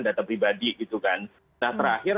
data pribadi gitu kan nah terakhir